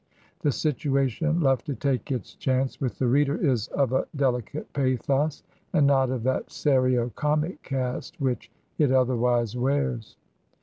The situation left to take its chance with the reader is of a delicate pathos, and not of that serio comic cast which it otherwise wears.